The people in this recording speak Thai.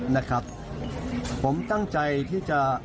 นะครับผมตั้งใจที่จะ